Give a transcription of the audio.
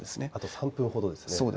あと３分ほどですね。